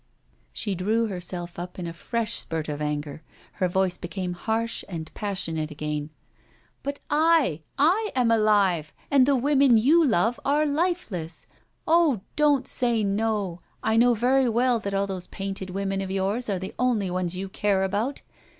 She drew herself up in a fresh spurt of anger. Her voice became harsh and passionate again. 'But I I am alive, and the women you love are lifeless! Oh! don't say no! I know very well that all those painted women of yours are the only ones you care about!